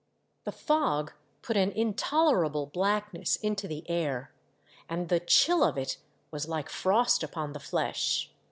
The fog put an intolerable blackness into the air, and the chill of it was like frost upon the flesh.